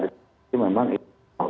ini memang itu